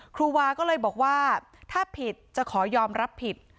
ครูวาก็เลยบอกว่าถ้าผิดจะขอยอมรับผิด